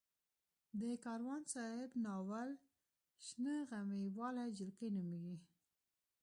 د کاروان صاحب ناول شنه غمي واله جلکۍ نومېږي.